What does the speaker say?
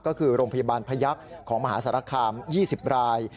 ก็คือโรงพยาบาลพยักษ์ของมหาสารคาม๒๐ราย